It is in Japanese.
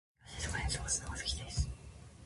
雨の日は静かに過ごすのが好きです。